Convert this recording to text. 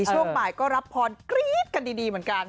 ช่วงบ่ายก็รับพรกรี๊ดกันดีเหมือนกัน